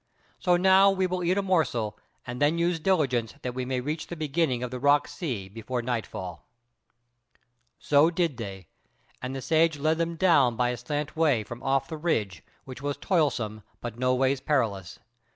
So now we will eat a morsel, and then use diligence that we may reach the beginning of the rock sea before nightfall." So did they, and the Sage led them down by a slant way from off the ridge, which was toilsome but nowise perilous.